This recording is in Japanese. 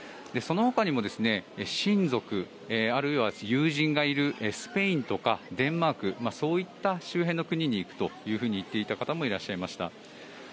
そのほかにも親族あるいは友人がいるスペインとかデンマークそういった周辺の国に行くと言っていた方もいらっしゃいました。